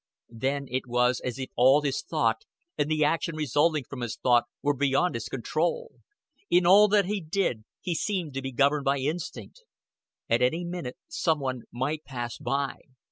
Then it was as if all his thought and the action resulting from his thought were beyond his control. In all that he did he seemed to be governed by instinct. At any minute some one might pass by.